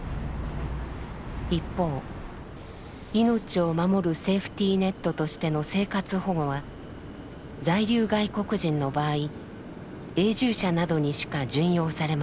一方命を守るセーフティーネットとしての生活保護は在留外国人の場合永住者などにしか準用されません。